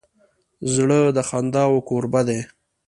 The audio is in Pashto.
زړه د خنداوو کوربه دی.